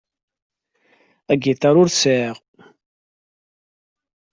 Agiṭar ur t-sεiɣ.